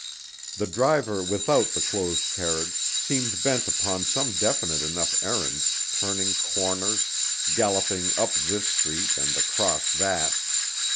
The driver without the closed carriage seemed bent upon some definite enough errand, turning corners, galloping up this street and across that.